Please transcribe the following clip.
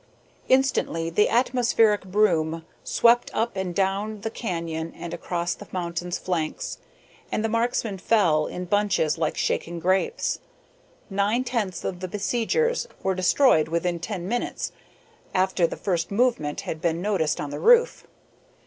Instantly the atmospheric broom swept up and down the canyon and across the mountain's flanks, and the marksmen fell in bunches like shaken grapes. Nine tenths of the besiegers were destroyed within ten minutes after the first movement had been noticed on the roof.